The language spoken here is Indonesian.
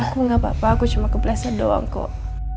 aku gak apa apa aku cuma kepleset doang kok